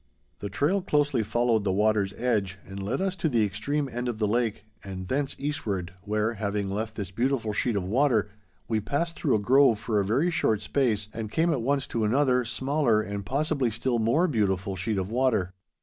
The trail closely followed the water's edge and led us to the extreme end of the lake and thence eastward, where, having left this beautiful sheet of water, we passed through a grove for a very short space and came at once to another smaller, and possibly still more beautiful, sheet of water.